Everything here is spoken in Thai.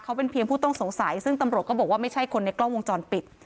เขาเป็นเพียงผู้ต้องสงสัยซึ่งตำรวจก็บอกว่าไม่ใช่คนในกล้องวงจรปิด